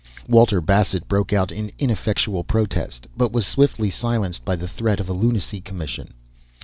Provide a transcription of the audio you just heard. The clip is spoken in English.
Walter Bassett broke out in ineffectual protest, but was swiftly silenced by the threat of a lunacy commission.